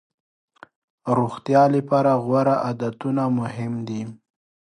روغتیا لپاره غوره عادتونه مهم دي.